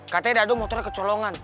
katanya dado motornya kecolongan